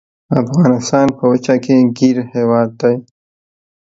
افغانستان په وچه کې ګیر هیواد دی.